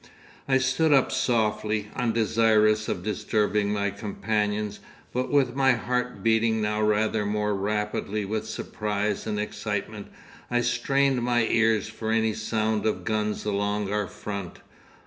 'I stood up softly, undesirous of disturbing my companions, but with my heart beating now rather more rapidly with surprise and excitement. I strained my ears for any sound of guns along our front.